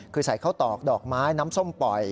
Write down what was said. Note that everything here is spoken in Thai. คือใส่ข้าวตอกดอกไม้น้ำส้มปล่อย